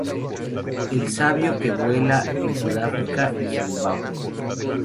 Es sabido que vuela en Sudáfrica y Zimbabue.